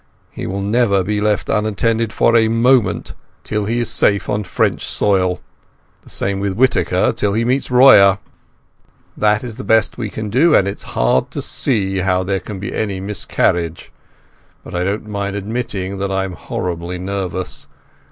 He will never be left unattended for a moment till he is safe on French soil. The same with Whittaker till he meets Royer. That is the best we can do, and it's hard to see how there can be any miscarriage. But I don't mind admitting that I'm horribly nervous.